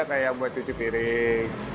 seperti yang buat cuci piring